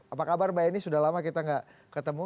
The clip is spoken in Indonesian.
apa kabar mbak eni sudah lama kita gak ketemu